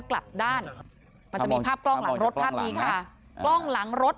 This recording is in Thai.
กลับด้านมันจะมีภาพกล้องหลังรถภาพนี้ค่ะกล้องหลังรถ